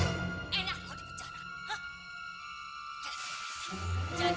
jangan sok ngajar